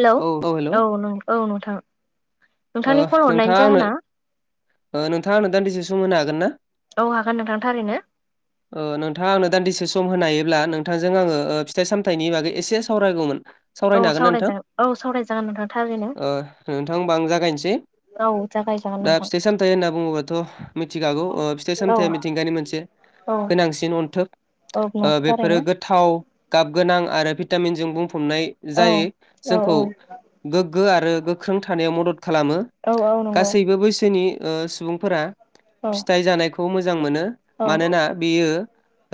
Hello औ hello ओ औ औ नोंथां। नोंथांनि फन हरनायनि नोंथाङा आंनो जाहोना नोंथाङा आंनो दान्दिसे सम होनो हागोन ना? औ हागोन नोंथां थारैनो नोंथाङा आंनो दान्दिसे स सम होनायोब्ला नोंथांजों आङो फिथाइ सामथाइनि बागै एसे सावरायगौमोन। औ सावरायनो हागोन ना नोंथां? सावरायजागोन औ सावरायजागोन नोंथां थारैनो ओ नोंथां ओमबा आं जा नायनिसेै। औ जागायजागोन दा नोंथां फिथाइ सामथायाइ होनना बुङोबाथ मिथिखागौ फिथाइ औ सामथायाइया मिथिंगानि मोनसे औ गोनांसिन अन्थोब औ नंगौ बेफोरो थारैनो गोथाव गाब गोनां आरो भिटामिनजों बुं हमनाय औ जायो औ जोंखौ औ गोग्गो आरो गोख्रों थानायाव मदद खालामो औ औ नंगौ गासैबो बैसोनि सुबुंफोरा औ फिथाइ जानायखौ मो जां मोनो औ मानोना बेयो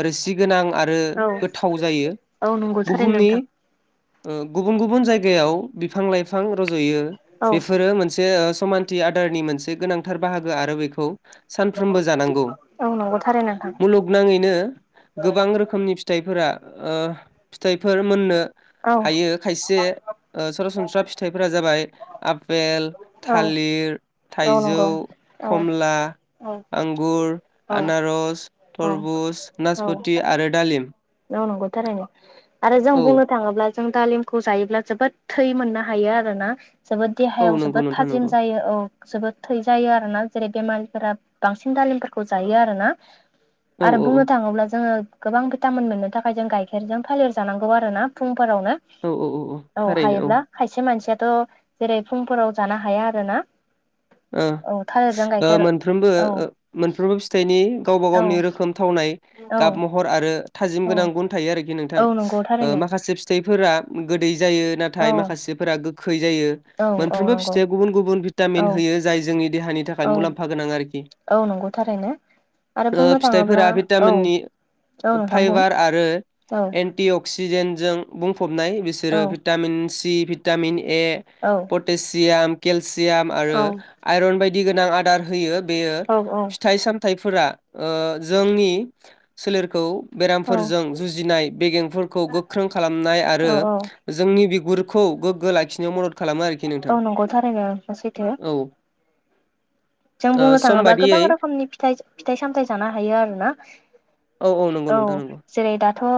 रोसि गोनां आरो औ गोथाव जायो औ नंगौ थारैनो बुहुमनि नोंथां गुबुन गुबुन जायगायाव बिफां लाइफां रज'यो औ। बेफोरो मोनसे समानथि आदारनि मोनसे गोनांथार बाहागो आरो बेखौ सानफ्रोमबो जानांगौ। औ नंगौ थारैनो नोंथां मुलुगनाङैनो गोबां रोखोमनि फिथाइफोरा ओ फिथाइफोर मोननो औ हायो खायसे ओ सरासनस्रा फिथाइफोरा जाबाय आ पेल, औ थालिर, औ नंगौ थाइजौ, औ खमला, औ आंगुर, औ आनारस, थरबुज, औ नासपति, आरो दालिम। औ नंगौ थारैनो आरो जों औ बुंनो थाङोब्ला जों दालिमखौ जायोब्ला जोबोद थै मोननो हायो आरो ना। जोबोद औ देहायाव नंगौ जोबोद नोंथां थाजिम नंगौ जायो औ। जोबोद थै जायो आरो ना जेरै बेमारिफोरा बांसिन दालिमफोरखौ जायो आरो ना। औ आरो औ बुंनो थाङोब्ला जोङो गोबां भिटामिन मोननो थाखाय जों गाइखेरजों थालिर जानांगौ आरो ना फुं फोरावनो औ हायोब्ला खायसे मानसिया थ' जेरै फुंफोराव जानो हाया आरोना। ओं। औ थालिरजों ओ गाइखेर मोनफ्रोमबो औ ओ मोनफ्रोमबो फिथाइनि गावबा औ गावनि रोखोम थावनाय औ गाब महर आरो थाजिम औ गोनां गुन थायो आरोखि नोंथां औ नंगौ थारैनो माखासे ओ फिथाइफोरा गोैदै जायो औ नाथाय माखासेफोरा गोखै जायो औ औ मोनफ्रोमबो नंगौ फिथाइया गुबुन गुबुन औ भिटामिन होयो जाय जोंनि देहानि थाखाय औ मुलाम्फा गोनां आरोखि औ नंगौ थारैनो आरो ओ बुंनो थाङोब्ला फिथाइफोरा औ भिटामिननि औ नोंथां बुं फाइबार आरो औ एन्टिअक्सिजेन्ट जों बुंफबनाय औ बिसोरो भिटामिन सि, भिटामिन ए औ पटेसियाम केलसियाम आरो औ आइरन बायदि गोनां आदार होयो बेयो औ फिथाइ सामथाइफो फोरा ओ जोंनि सोलेरखौ औ बेरामफोरजों जुजिनाय बेगेंफोरखौ गोख्रों खालामनाय आरो औ जोंनि बि गुरखौ गोग्गो लाखिनायाव मदद खालामो आरोखि नोंथां। औ नंगौ थारैनो सैथो [inaudible] जों बुंनो सम थाङोब्ला गोबां बादियै रोखोमनि फिथाइ फिथाइ सामथाय जानो हायो आरो ना? औ नंगौ औ नोंथां नंगौ जेरै दाथ' ओ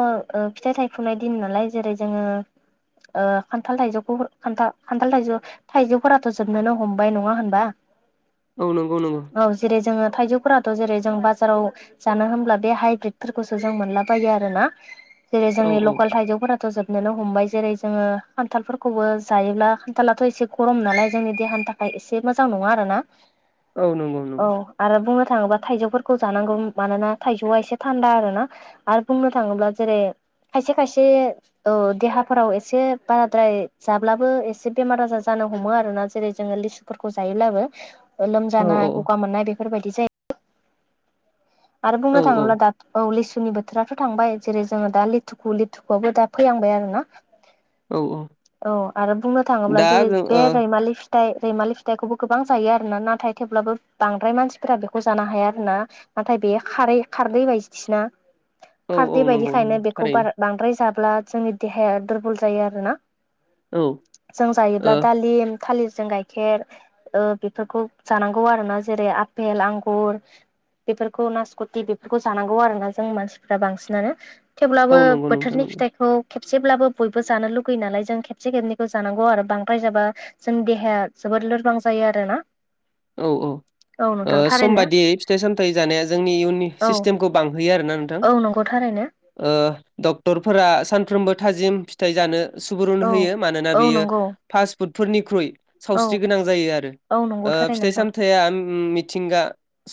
फिथाइ थायफुनाय दिन नालाय जेरै जोङो ओ खान्थाल थाइजौखौ खान्थाल खान्थाल थाइजौ थाइजौफोराथ' जोबनोनो हमबाय नङा होनबा? औ नंगौ नंगौ औ जेरै जोङो थाइजौफोराथ' जेरै जों बाजाराव जानो होमब्ला बे हाइब्रिदफोरखौसो जों मोनलाबायो आरोना? जेरै औ जोंनि औ लकेल थाइजौफोराथ' जोब नोनो हमबाय जेरै जोङो खान्थालफोरखौबो जायोब्ला खान्थालाथ' एसे गरम नालाय जोंनि देहानि थाखाय एसे मोजां नङा आरोना औ नंगौ औ नंगौ आरो बुंनो थाङोब्ला थाइजौफोरखौ जानांगौ मानोना थाइजौआ एसे थान्दा आरोना आरो बुंनो थाङोब्ला जेरै खायसे खायसे औ देहाफोराव एसे बाराद्राय जाब्लाबो एसे बेमार आजार जानो हमो आरोना जेरै जोङो लिसुफोरखौ जायोब्लाबो। ओ औ लोमजानाय गगा मोननाय बेफोरबायदि जायो। आरो बुंनो औ थांङोब्ला दा औ लिसु नि बोथोराथ' थांबाय जेरै जोङो दा लिथुुखु लिथुखुआबो दा फैहांबाय आरो ना। औ औ आरो बुंनो थाङोब्ला दा जेरै जों बे ओ रैमालि फिथाइ रैमालि फिथाइखौबो गोबां जायो आरो। आरोना नाथाय थेवब्लाबो बांद्राय मानसिफोरा बेखौ जानो हाया आरो ना नाथाय बेयो खारै खारदै बायदि सोना। औ औ खारदै नंगौ बायदिखायनो नंगौ बेखौ थारैनो बारा बांद्राय जाब्ला जोंनि देहाया दुरबल जायो आरोना? औ जों ओ जायोब्ला दालिम थालिरजों गाइखेर ओ बे- बेफोरखौ जानांगौ आरो ना जेरै आफेल आंगुर बेफोरखौ नासख'थि बेफोरखौ जानांगौ आरोना जों मानसिफ्रा बांसिनानो औ थेवब्लाबो नंगौ नोंथां बोथोरनि नंगौ फिथाइखौ खेबसेब्लाबो बयबो जानो लुगैयो नालाय जों खेबसे खेबनैखौ जानांगौ आरो बांद्राय जाबा जोंनि देहाया जो लोरबां जायो आरोना। औ औ औ नोंथां सम थारैनो बाददियै फिथाइ सामथायाइ जानाया जोंनि इयुन औ सिस्टेमखौ बांहोयो आरो ना नोंथां। औ नंगौ थारैनो ओ डक्टरफोरा सानफ्रोमबो थाजिम फिथाइ जानो सुबुरुन औ होयो मानोना औ बेयो नंगौ फास्ट फुडफोरनिख्रुइ औ सावस्रि गोनां जायो आरो औ नंगौ ओ थारै फिथाइ नोंथां सामथायाइया मिथिंगा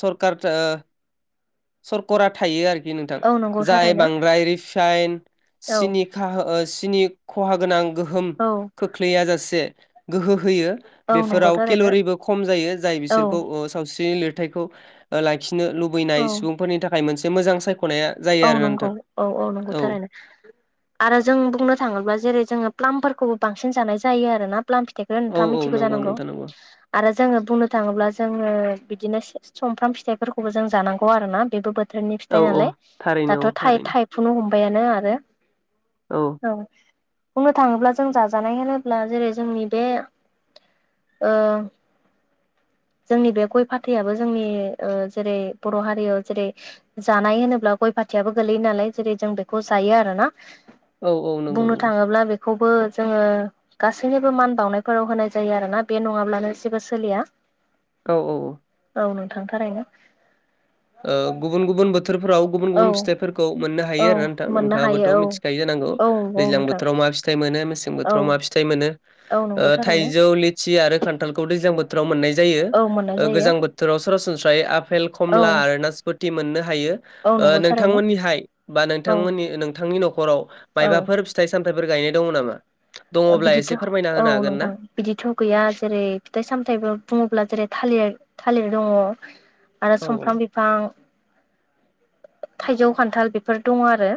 सरखार थो सरकरा थायो आरो। नोंथां औ नंगौ जाय थारैनो बांद्राय रिफाइन औ सिनिखा ओ नि खहा गोनां गोहोम औ खोख्लैया जासे गोहो होयो। औ नंगौ बेफोराव थारैनो केेल'रिबो खम जायो जाय औ बिसोरखौ ओ सावस्रिनि लिरथायखौ लाय लाखिनो औ लुबैनाय सुबुंफोरनि थाखाय मोनसे मोजां सायख' औ नंगौ औ औ नंगौ थारैनो आरो जों बुंनो थाङोब्ला जेरै जोङो प्लाामपफोरखौबो बांसिन जानाय जायो आरोना प्लाम फि बेखौनो औ नोंथाङा औ मिथिगौ नंगौ जानांगौ नोंथां नंगौ आरो जोङो बुंनो थाङोब्ला जोङो बिदिनो सुमफ्राम फिथाइफोरखौबो जों जानांगौ आरोना बेबो बो बोथोरनि फिथाइ औ औ नालाय थारैनो दाथ' औ थाय थारैनो थायफु हमबायानो आरो औ बुंनो थाङोब्ला जों जाजानाय होनोब्ला जेरै जोंनि बे ओ [unintelligible] जोंनि बे गय फाथैाबो जोंनि ओ जेरै बर' हारियाव जेरै जानाय होनो ब्ला गय फाथियाबो गोलैयो नालाय जेरै जों बेखौ जायो आरो ना। औ औ नंगौ नंगौ खौबो जोङो गासैनिबो मान बावनायफोराव होनाय जायो आरोना बे नङाब्लानो जेबो सोलिया। औ औ औ औ नोंथां थारैनो ओ गुबुन गुबुन बोथोरफोराव गुबुन औ गुबुन फिथाइफोरखौ मोननो हायो औ आरो ना नोंथां मोननो नोंथाङाबोथ' हायो औ मिथिखायो जानांगौ औ औ दैजां नोंथां बोथोराव मा फिथाइ मोनो मेसें औ बोथोराव मा फिथाइ मोनो औ ओ नंगौ थारैनो थाइजौ लिचि आरो खान्थालखौ दैज्लांबोथोराव मोननाय जायो औ मोननाय जायो गोजां बोथोराव सरासनस्रायै आपेल खमला औ कमला आरो नासपथि मोननो हायो औ ओ नंगौ थारैनो नोंथांमोनिहाय बा औ नोंथांमोनि नोंथांनि न'खाव औ मायबाफोर फिथाइ साम थायफोर गायनाय दङ नामा दङब्ला बिदिथ' एसे फोरमायना औ होनो हागोन नोंथां ना बिदिथ' गैया जेरै फिथाइ सामथायाइबो बुङोब्ला जेरै थालिर थालेर दङ आरो औ सुमफ्राम बिफां थाइजौ खान्थाल बेफोर दङ आरो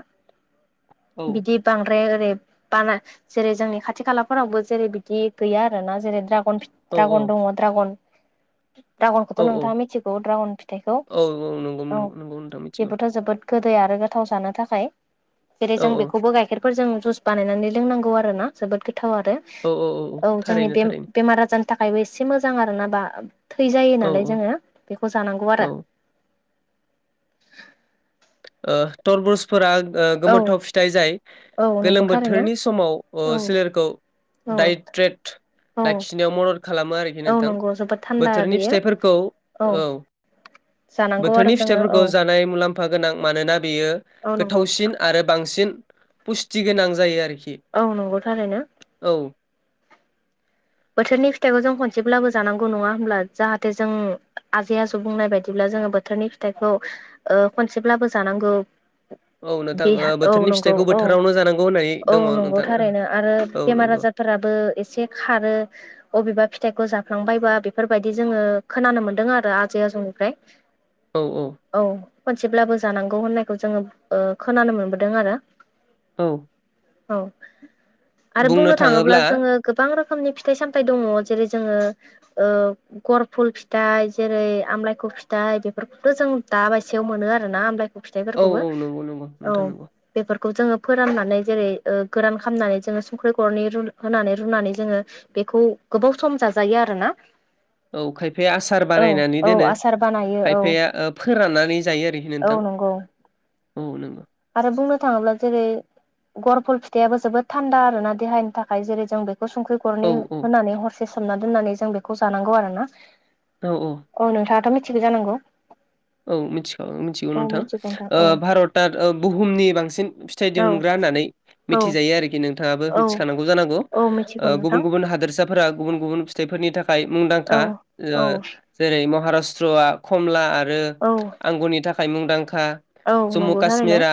औ बिदि बांद्राय बारा जेरै जोंनि खाथि खालाफोरावबो जेरै बिदि गैया आरो ना जेरै द्रा गन औ द्रागन दङ द्रागन ड्रागनखौथ' औ नोंथाङा मिथिगौ द्रागन फिथाइखौ औ नंगौ औ नंगौ नंगौ नोंथां मिथिगौ बेबोथ' जोबोद गोदै आरो गोथाव जानो थाखाय जेरै औ जों औ बेखौबो गाइखेर जों जुस बानायनानै लोंनांगौ आरो ना जोबोद गो थाव आरो औ औ जोंनि थारैनो बे थारैनो बेमार आजारनि थाखायबो एसे मोजां आरो ना बा थै जायो औ नालाय औ जोङो बेखौ जानांगौ औ आरो ओ टरभुस फोरा औ गोमोथाव फिथाइ जाय औ नंगौ गोलोम थारैनो बोथोरनि समाव औ सोलेरखौ औ डाइट्रेट औ लाखिनायाव मदद खालामो आरोखि औ नोंथां नंगौ जोबोद थान्दा बोथोरनि बेयो फिथाइफोरखौ औ जानांगौ आरो बोथोरनि जोङो औ फिथाइफोरखौ जानाय मुलाम्फा गोनां मानोना बेयो औ नंगौ गोथावसिन नोंथां आरो बांसिन पुस्टि गोनां जायो आरोखि औ नंगौ थारैनो औ बोथोरनि फिथाइखौ जों खनसेब्लाबो जानांगौ नङा होमब्ला जाहाथे जों आजै आजौ बुंनाय बायदिब्ला जों बोथोरनि फिथाइखौ खनसेब्लाबो जानांगौ औ नोंथां बे ओ औ बोथोरनि नंगौ फिथाइखौ औ बोथोरावनो जानांगौ होननानै औ दङ नंगौ नोंथां थारैनो आरो औ बेमार नंगौ आजार हा फोराबो एसे खारो अबेबा फिथाइखौ जाफ्लांबायबा बेफोरबायदि जोङो खोनानो मोन्दों आरो आजै आजौनिफ्राय औ खनसेब्लाबो जानांगौ होननायखौ जोङो खोनानो मोनबोदों आरो औ औ आरो बुंनो थाङोब्ला जोङो गोबां रोखोमनि फिथाइ सामथाइ दङ जेरै जोङो गर फुल फिथाइ जेरै आमलायखौ फिथाइ बेफोरखौथ' जों दाबायसेयाव मोनो आरोना आमलाइ औ फिथफोरखौबो औ नंगौ नंगौ औ नोंथां नंगौ बे खौ जोङो फोराननानै जेरै गोरान खालामनानै जोङो संख्रि गरनि रु होनानै रुनानै जोङो बेखौ गोबाव सम जाजायो आरो ना औ खायफाया आसार बानायनानै दोनो आसार बानायो औ खायफाया फोराननानै जायो आरोखि औ नोंथां नंगौ औ नङबा आरो बुंनो थाङोब्ला जेरै गरफुल फिथाइाबो जोबोद थान्दा आरो ना देहानि थाखाय जेरै जों बे खौ संख्रि औ गरनै औ होनानै हरसे सोमना दोननानै जों बेखौ जानांगौ आरो ना औ नोंथाङाथ' मिथिगौ जानांगौ औ मिथिख मिथिगौ औ नोंथां मिथिगौ नोंथां औ भारतआ बुहुमनि बांसिन फिथाइ दिहुनग्रा औ होननानै औ मिथिजायो आरोखि नोंथाङाबो औ मिथिखानांगौ जानांगौ औ मिथिगौ गुबुन नोंथां गुबुन हादोरसा गुबुन गुबुन फिथाइफोरनि थाखाय औ मुंदांखा औ जेरै महारास्ट्र अत्रआ खमला आरो औ आंगुरनि थाखाय मुंदांखा औ जम्मु नंगौ थारैनो कास्मिरा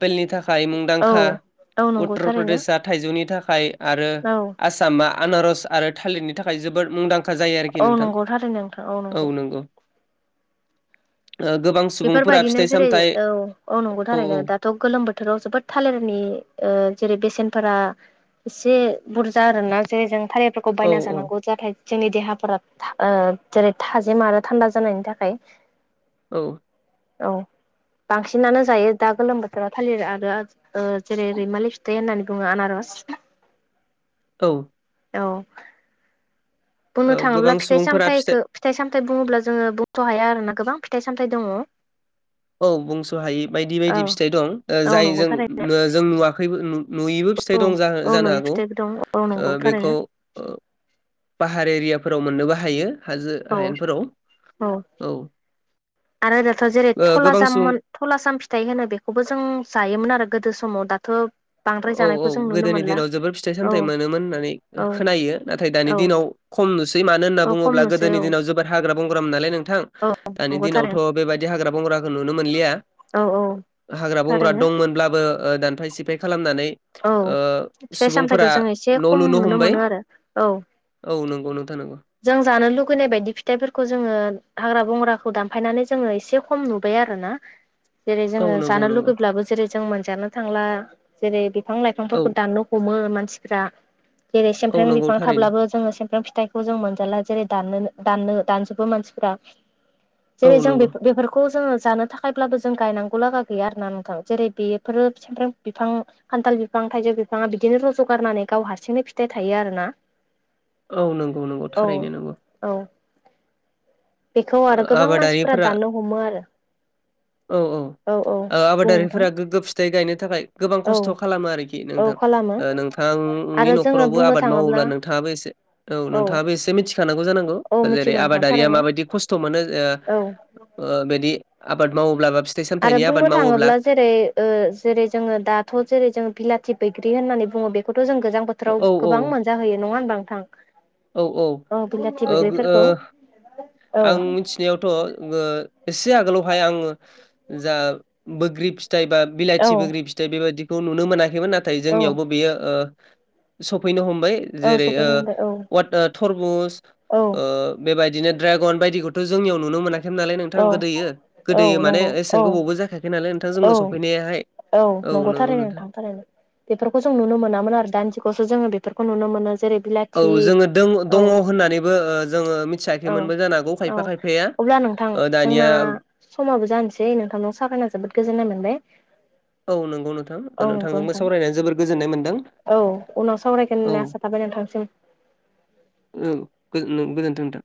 आपेलनि थाखाय औ मुंदांखा औ नंगौ उत्तर थारैनो प्रदेशआ थाइजौनि थाखाय आरो औ आसामा आनारस आरो थालिरनि थाखाय जोबोद मुंदांखा। खा जायो आरोखि औ नोंथां नंगौ थारैनो नोंथां औ नंगौ। ओ गोबां सुबुंफोरा बेफोरबायदिनो फिथाइ जेरै सामथाइ औ औ नंगौ औ थारैनो दाथ' गोलोम बोथोराव जोबोद थालिरनि ओ जेरै बेसेनफोरा एसे बुरजा आरो ना जेरै जों थारैफोरखौ औ बायना जानांगौ थायजौ जोंनि देहाफोरा जेरै थाजिम आरो थान्दा जानायनि थाखाय औ। औ। बांसिनानो जायो दा गोलोम बोथोराव थालिर आरो जेरै रैमालि फिथाइ होननानै बुङो आनारस [unintelligible] औ। औ बुंनो ओ थाङोब्ला गोबां फिथाइ सुबुंफोरा सामथायखौ फिथाइ सामथाय बुङोब्ला जोङो बथ' हाया आरोना गोबां फिथाइ सामथाइ दङ औ बुंस' हायि बायदि बायदि औ फिथाइ दं औ जाय नंगौ जों थारैनो जों नुवाखै नुयैबो फिथाइ औ दं औ जानो न'नि हागौ। दं। औ नंगौ बेखौ थारैनो पाहार एरियाफोराव मोननोबो हायो। हाजो औ हायेनफोराव औ आरो दाथ' जेरै- गोबां सुबुं थलाजाममोन थलाजाम फिथाइ होनो बेखौबो जों जायोमोन आरो गोदो समाव दाथ' बांद्राय औ औ जानायखौ जों नुनो गोदोनि मोनला दिनाव जोबोर फिथाइ औ सामथायाइ मोनोमोन होननानै औ खोनायो नाथाय दानि औ दिनाव खम नुस मानो होनना औ खम बुोब्ला नुसै गोदोनि औ दिनाव जोबोद हाग्रा बंग्राम नालाय नों नोंथां औ दानि नंगौ दिनावथ' थारैनो बेबायदि हाग्रा बंग्राखौ नुनो मोनलिया। औ औ हाग्रा बंग्रा थारैनो दंमोनब्लाबो दानफाय सिफाय खालामनानै औ फिथाइ सामथाइखौ सुबुंफोरा जों एसे न' खम लुनो नुनो हमबाय। मोनो आरो औ औ नंगौ नोंथां नांगौ। जों जानो लुुबैनाय बायदि फिथाइफोरखौ जोङो हाग्रा बंग्राखौ दानफायनानै जोङो एसे खम नुबाय आरो। जेरै औ -जोङो नंगौ जानो नंगौ लुुबैब्लाबो जेरै जों मोनजानो थांला जेरै- बिफां औ लाइफांफोरखौ दाननो हमो मानसिफ्रा जेरै औ सेमफ्रें नंगौ बिफां थारैनो थाब्लाबो जोङो सेमफ्रें फि जों मोनजाला जेरै दाननो- दाननो दानजोबो मानसिफोरा औ जेरै जों बे नंगौ बेफोरखौ जोङो जानो थाखायब्लाबो जों गायनांगौ लागा गैया आरोना नोंथां जेरै बेफोरो सामफ्राम बिफां खान्थाल बिफां बिफां थाइजौ बिफाङा बिदिनो रज'गारनानै गाव हारसिंनो फिथाइ थायो आरो ना। औ नंगौ नंगौ थारैनो नंगौ। औ बेखौ ओ आरो गोबां मानसिफोरा आबादारिफोरा दाननो हमो आरो। औ औ औ बुं नोंथां आबादारिफोरा गोग्गो फिथाइ गायनो थाखाय गोबां औ खस्थ' खालामो आरोखि औ नोंथां खालामो ओ नोंथांनि आरो जोङो नखरावबो बुंनो आबाद मावोब्ला थाङोब्ला नोंथाङाबो एसे औ नोंथाङाबो एसे मिथिखानांगौ जानांगौ औ जेरै मिथिगौ नोंथां आबादारिया थारैनो माबादि खस स्थ मोनो औ ओ बिदि आबाद मावोब्ला फिथाइ आरो सामथाइनि आबाद बुंनो मावोब्ला थाङोब्ला जेरै जेरै जोङो दाथ' जेरै जोङो बिलाथि बैग्रि होननानै बुङो बेखौथ' जों गोजां औ बोथोराव औ गोबां मोनजाहोयो नङा होनबा नोंथां? औ औ औ बिलाथि ओ ओ बैग्रिफोरखौ औ आं मिथिनायावथ' ओ एसे आगोलावहाय आङो जा बोग्रि फिथाइ बा औ बिलाइथि बोग्रि फिथाइ बेबायदि नुनो मोनाखैमोन नाथाय औ जोंनियावबो बेयो ओ सफैनो हमबाय औ जेरै ओ सफैनो मोनबाय औ वा थरमुस औ बेबायदिनो ड्रेगन बायदिखौथ' जोंनियाव नुनो मोना नालाय नोंथां औ गोदोयो गोदो औ नंगौ मानेसे औ गोबावबो जाखायाखै नालाय नोंथां औ जोंनाव सफैनायाहाय औ नंगौ नंगौथारै न नोंथां थांथारै बेफोरखौ जों नुनो मोनामोन आरो दान्दिखौ जोङो बेफोरखौ नुनो मोनो जेरै- औ बिलाथि जोङो द औ दङ होननानैबो जोङो औ मिथियाखैमोनबो जानो हागौ खायफा औ खायफाया अब्ला नोंथां ओ दानिया जोंना समाबो जानोसै नोंथांनाव सारायना जोबोद गोजोननाय मोनबाय। औ नंगौ नोंथां औ नंगौ नोंथांजोंबो नोंथां सावरायनाय जोबबोद गोजोन्नाय मोनदों औ उनाव सावरायगोन औ होनना आसा थाबाय नोंथांसिम औ गोज नों गोजोनथों नोंथां